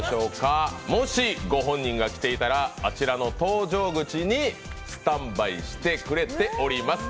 もしご本人が来ていたらあちらの登場口にスタンバイしてくれています。